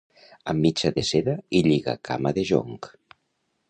Amb mitja de seda i lligacama de jonc.